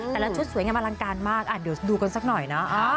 แต่ละชุดสวยงามอลังการมากเดี๋ยวดูกันสักหน่อยนะ